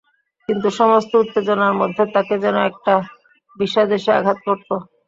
কিন্তু সমস্ত উত্তেজনার মধ্যে তাঁকে যেন একটা বিষাদ এসে আঘাত করত।